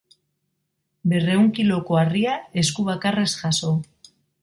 Berrehun kiloko harria esku bakarrez jaso.